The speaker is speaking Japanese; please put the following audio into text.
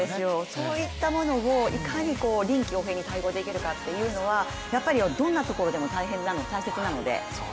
そういったものをいかに臨機応変に対応できるかというのは、やっぱりどんなところでも大切なので。